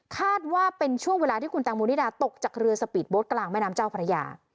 คาดว่าเป็นช่วงเวลาที่คุณแตงโมนิดาตกจากเรือสปีดโบ๊ทกลางแม่น้ำเจ้าพระยา